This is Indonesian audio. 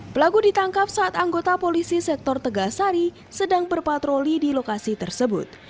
pelaku ditangkap saat anggota polisi sektor tegasari sedang berpatroli di lokasi tersebut